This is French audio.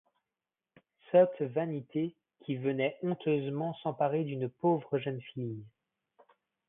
Sotte vanité qui venait honteusement s'emparer d'une pauvre jeune fille.